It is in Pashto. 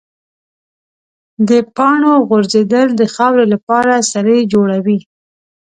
د پاڼو غورځېدل د خاورې لپاره سرې جوړوي.